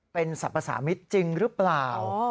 เป็นสรรพสามิตรจริงหรือเปล่า